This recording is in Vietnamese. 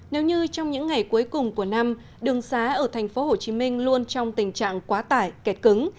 nếu như trong những ngày cuối cùng của năm đường xá ở tp hcm luôn trong tình trạng quá tải kẹt cứng